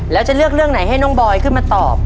แล้วจะเลือกเรื่องไหนให้น้องบอยขึ้นมาตอบ